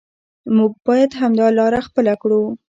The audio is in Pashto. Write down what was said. موږ باید همدا لاره خپله کړو.